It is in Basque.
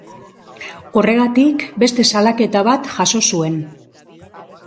Horregatik beste salaketa bat jaso zuen.